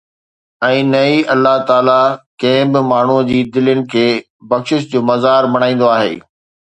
۽ نه ئي الله تعاليٰ ڪڏهن به ماڻهن جي دلين کي بخشش جو مزار بڻائيندو آهي.